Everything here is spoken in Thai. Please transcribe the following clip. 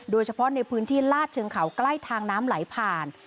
โดยเฉพาะในพื้นที่ลาดเชิงเขาใกล้ทางน้ำไหลผ่าน